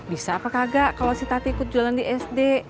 bisa apa kagak kalau si tati ikut jualan di sd